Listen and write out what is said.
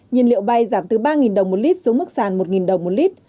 nhiên liệu bay giảm từ ba đồng một lit xuống mức sàn một đồng một lit